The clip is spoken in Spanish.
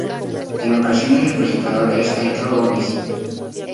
En ocasiones el presentador es Aitor Gomez.